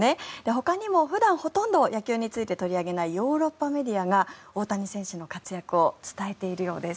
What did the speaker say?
ほかにも普段ほとんど野球について取り上げないヨーロッパメディアが大谷選手の活躍を伝えているようです。